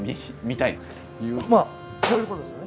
まあこういうことですよね。